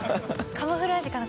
カムフラージュかな？